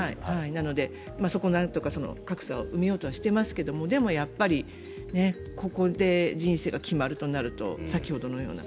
なのでそこをなんとか格差を埋めようとはしていますがでも、やっぱりここで人生が決まるとなると先ほどのような。